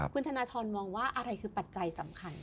คุณธนทรมองว่าอะไรคือปัจจัยสำคัญ